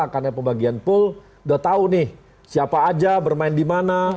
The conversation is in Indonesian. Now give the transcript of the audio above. karena pembagian pool udah tahu nih siapa aja bermain di mana